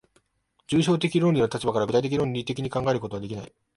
抽象的論理の立場から具体的論理的に考えることはできない。